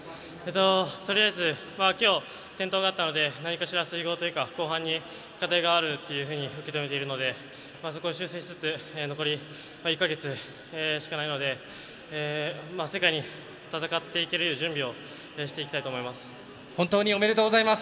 とりあえずきょう、転倒があったので何かしら水ごうというか後半に課題があると受け止めているのでそこを修正しつつ残り１か月しかないので世界で戦っていける準備を本当におめでとうございます！